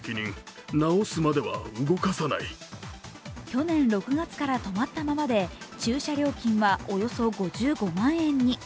去年６月から止まったままで、駐車料金はおよそ５５万円に。